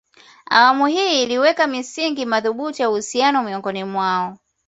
Awamu hii iliweka misingi madhubuti ya uhusiano miongoni mwao